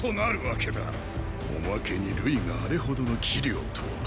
おまけに瑠衣があれほどの器量とは。